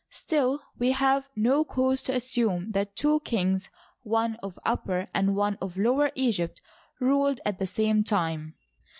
Still, we have no cause to assume that two kings, one of Upper and one of Lower Egypt, ruled at the same time.